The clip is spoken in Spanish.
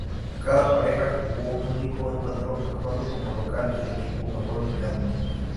Cada pareja jugó un único encuentro, actuando como local el equipo mejor ubicado.